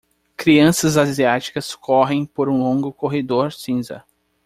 Crianças asiáticas correm por um longo corredor cinza.